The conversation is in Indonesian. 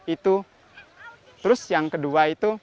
itu terus yang kedua itu